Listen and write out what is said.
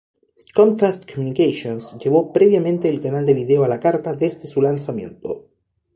Comcast Communications llevó previamente el canal de vídeo a la carta desde su lanzamiento.